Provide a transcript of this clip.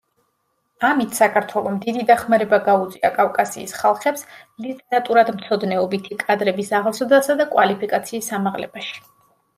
ამით საქართველომ დიდი დახმარება გაუწია კავკასიის ხალხებს ლიტერატურათმცოდნეობითი კადრების აღზრდასა და კვალიფიკაციის ამაღლებაში.